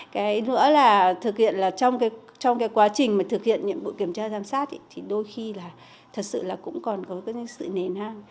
cái nữa là trong quá trình thực hiện nhiệm vụ kiểm tra giám sát thì đôi khi là thật sự là cũng còn có những sự nền hạn